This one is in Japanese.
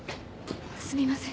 すみません。